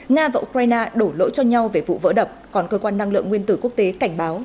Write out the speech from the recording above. nga và ukraine đổ lỗi cho nhau về vụ vỡ đập còn cơ quan năng lượng nguyên tử quốc tế cảnh báo